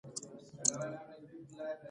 اقتصاد مخ په ځوړ شو